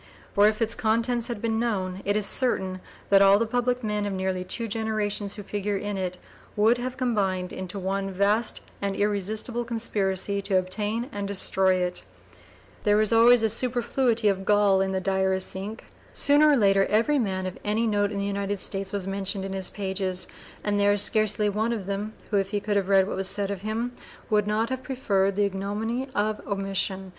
For if its contents had been known, it is certain that all the public men of nearly two generations who figure in it would have combined into one vast and irresistible conspiracy to obtain and destroy it. There was always a superfluity of gall in the diarist's ink. Sooner or later every man of any note in the United States was mentioned in his pages, and there is scarcely one of them, who, if he could have read what was said of him, would not have preferred the ignominy of omission.